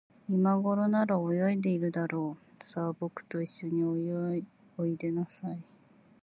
いまごろなら、泳いでいるだろう。さあ、ぼくといっしょにおいでなさい。